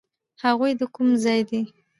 هغوی د کوم ځای دي؟